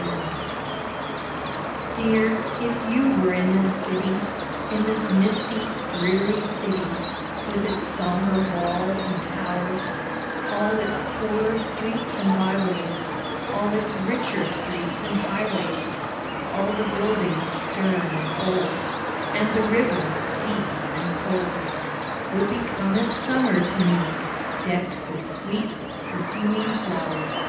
TO —— Dear, if you were in this city, In this misty, dreary city, With its sombre walls and towers— All its poorer streets and byways, All its richer streets and highways, All the buildings stern and old, And the river deep and cold, Would become as summer to me, Decked with sweet, perfuming flowers.